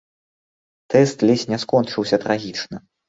Тэст ледзь не скончыўся трагічна.